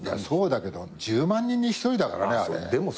そうだけど１０万人に１人だからねあれ。